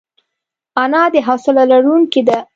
انا د حوصله لرونکې ده